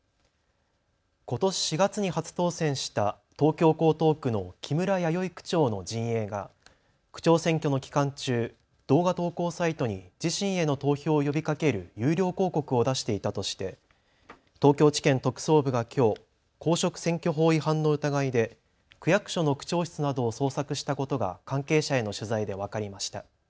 ことし４月に初当選した東京江東区の木村弥生区長の陣営が区長選挙の期間中、動画投稿サイトに自身への投票を呼びかける有料広告を出していたとして東京地検特捜部がきょう公職選挙法違反の疑いで区役所の区長室などを捜索したことが関係者への取材で分かりました。